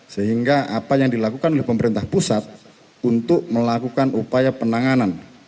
sehingga apa yang dilakukan oleh pemerintah pusat untuk melakukan upaya penanganan